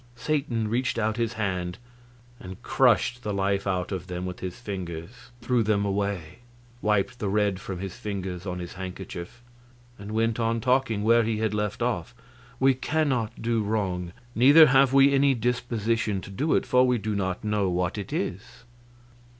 Satan reached out his hand and crushed the life out of them with his fingers, threw them away, wiped the red from his fingers on his handkerchief, and went on talking where he had left off: "We cannot do wrong; neither have we any disposition to do it, for we do not know what it is."